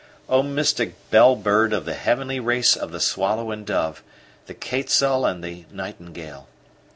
O mystic bell bird of the heavenly race of the swallow and dove, the quetzal and the nightingale!